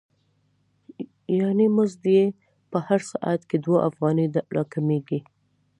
یانې مزد یې په هر ساعت کې دوه افغانۍ را کمېږي